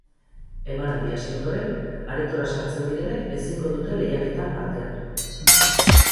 Emanaldia hasi ondoren, aretora sartzen direnek ezingo dute lehiaketan parte hartu.